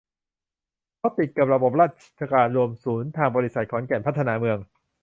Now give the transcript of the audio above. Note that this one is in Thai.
เพราะติดกับระบบราชการรวมศูนย์ ทางบริษัทขอนแก่นพัฒนาเมือง